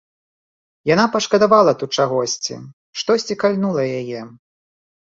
Яна пашкадавала тут чагосьці, штосьці кальнула яе.